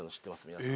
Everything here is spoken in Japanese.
皆さん。